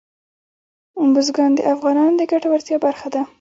بزګان د افغانانو د ګټورتیا برخه ده.